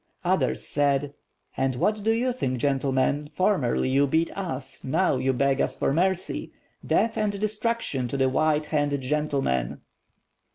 Others said, "And what do you think, gentlemen; formerly you beat us, now you beg us for mercy! Death and destruction to the white handed gentlemen!"